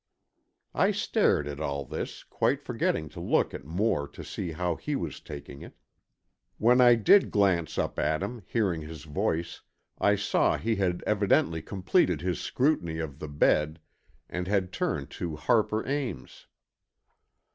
I stared at all this, quite forgetting to look at Moore to see how he was taking it. When I did glance up at him, hearing his voice, I saw he had evidently completed his scrutiny of the bed and had turned to Harper Ames.